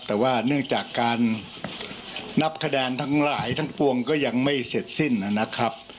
แต่ว่าเนื่องจากการนับคะแนนทั้งหลายทั้งปวงก็ยังไม่เสร็จสิ้นนะครับ